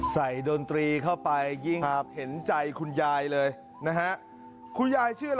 ดนตรีเข้าไปยิ่งเห็นใจคุณยายเลยนะฮะคุณยายชื่ออะไร